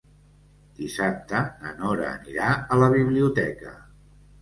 Dissabte na Nora anirà a la biblioteca.